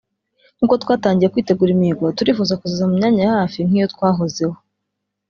nk’uko twatangiye kwitegura imihigo turifuza kuzaza mu myanya ya hafi nk’iyo twahozeho